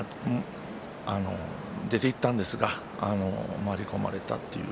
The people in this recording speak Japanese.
出ていったんですが回り込まれたという。